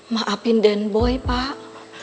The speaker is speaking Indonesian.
maafin dan boy pak